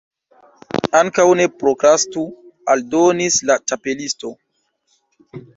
"Ankaŭ ne prokrastu," aldonis la Ĉapelisto